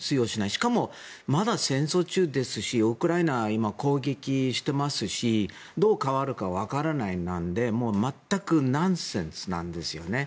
しかも、まだ戦争中ですしウクライナはまだ攻撃していますしどう変わるか分からないので全くナンセンスなんですよね。